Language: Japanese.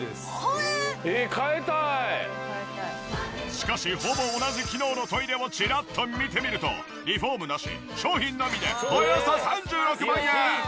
しかしほぼ同じ機能のトイレをチラッと見てみるとリフォームなし商品のみでおよそ３６万円！